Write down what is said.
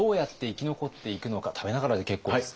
食べながらで結構です。